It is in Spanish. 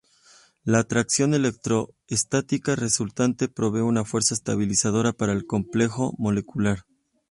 La atracción electrostática resultante provee una fuerza estabilizadora para el complejo molecular.